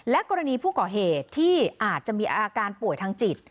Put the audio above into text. กรณีผู้ก่อเหตุที่อาจจะมีอาการป่วยทางจิต